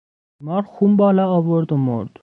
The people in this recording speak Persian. بیمار خون بالا آورد و مرد.